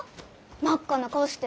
真っ赤な顔して。